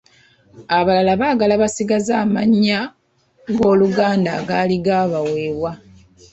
Abalala baagala basigaze amannya g’Oluganda agaali gaabaweebwa.